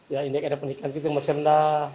ya indeks edep penikian kita masih rendah